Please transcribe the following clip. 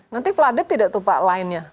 nanti vlade tidak tuh pak lainnya